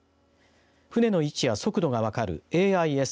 船の位置や速度が分かるＡＩＳ＝